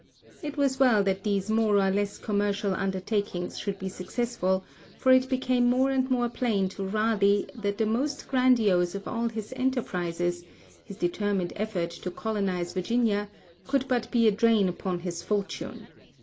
It was well that these more or less commercial undertakings should be successful, for it became more and more plain to Raleigh that the most grandiose of all his enterprises, his determined effort to colonise Virginia, could but be a drain upon his fortune.